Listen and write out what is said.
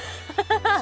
ハハハ